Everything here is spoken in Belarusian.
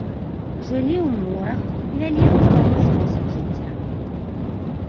Жылі ў морах, вялі рухомы спосаб жыцця.